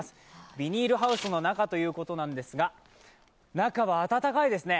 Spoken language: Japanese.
ビニールハウスの中ということなんですが、中は暖かいですね。